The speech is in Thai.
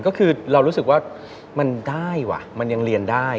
ก็คือเรารู้สึกว่ามันได้ว่ะมันยังเรียนได้